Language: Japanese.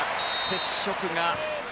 接触が。